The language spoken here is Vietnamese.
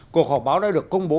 cuộc họp báo đã được công bố